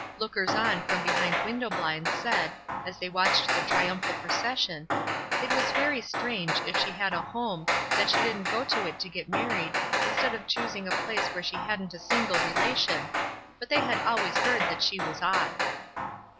Look ers on from behind window blinds said, as they watched the triumphal procession, "It was very strange, if she had a home, that she didn't go to it to get married, instead of choosing a place where she hadn't a single relation : but they had always heard that she was odd."